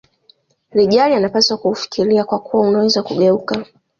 lijari anapaswa kuufikiria kwa kuwa unaweza kugeuka